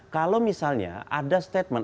kalau misalnya ada statement